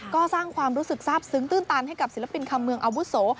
ก็สร้างความรู้สึกทราบซึ้งตื้นตันให้กับศิลปินคำเมืองอาวุโส